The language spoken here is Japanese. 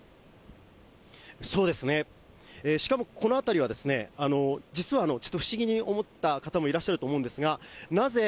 そうですね、しかもこの辺りは、実はちょっと不思議に思った方もいらっしゃると思うんですが、なぜ、